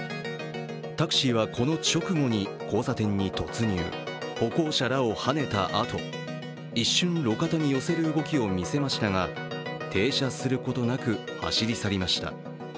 タクシーはこの直後に交差点に突入歩行者らをはねたあと一瞬路肩に寄せる動きを見せましたが停車することなく走り去りました。